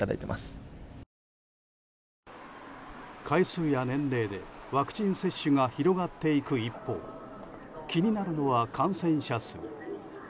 回数や年齢でワクチン接種が広がっていく一方気になるのは感染者数。